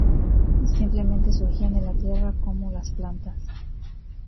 Simplemente, surgían de la tierra como las plantas.